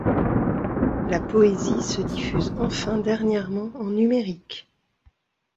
La poésie se diffuse enfin dernièrement en numérique.